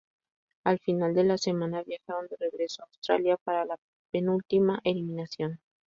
Al final de la semana viajaron de regreso a Australia para la penúltima eliminación.